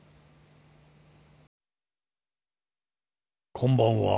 こんばんは。